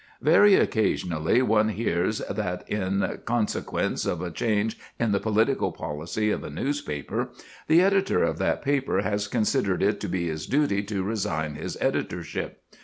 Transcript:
Very occasionally one hears that, in consequence of a change in the political policy of a newspaper, the editor of that paper has considered it to be his duty to resign his editorship.